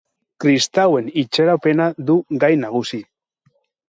Kristauen itxaropena du gai nagusi.